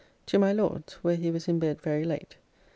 To my Lord's, where he was in bed very late.